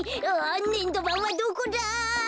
ねんどばんはどこだ！